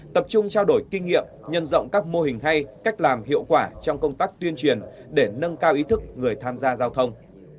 tập trung trao đổi kinh nghiệm nhân rộng các mô hình hay cách làm hiệu quả trong công tác tuyên truyền để nâng cao ý thức người tham gia giao thông